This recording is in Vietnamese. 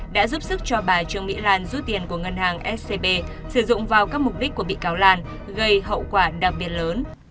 đã giúp sức cho bà trương mỹ lan rút tiền của ngân hàng scb sử dụng vào các mục đích của bị cáo lan gây hậu quả đặc biệt lớn